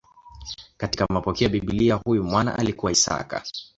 Katika mapokeo ya Biblia huyu mwana alikuwa Isaka.